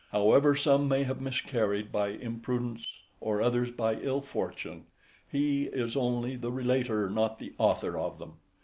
However some may have miscarried by imprudence, or others by ill fortune, he is only the relator, not the author of them.